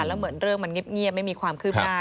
แล้วเหมือนเรื่องมันเงียบไม่มีความคืบหน้า